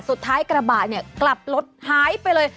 กระบะเนี่ยกลับรถหายไปเลย